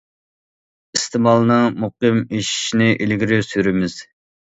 ئىستېمالنىڭ مۇقىم ئېشىشىنى ئىلگىرى سۈرىمىز.